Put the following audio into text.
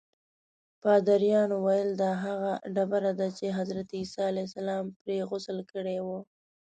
پادریانو ویلي دا هغه ډبره ده چې حضرت عیسی پرې غسل کړی و.